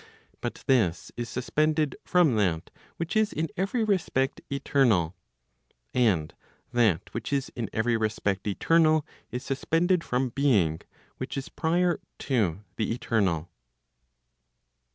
But this is suspended from that which is in every respect eternal. And that which is in every respect eternal, is suspended from being which is prior to the eternal.